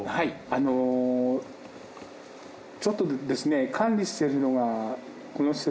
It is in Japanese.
あのちょっとですね管理してるのがこの施設